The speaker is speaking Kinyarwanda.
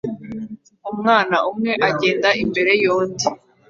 Umwana umwe agenda imbere yundi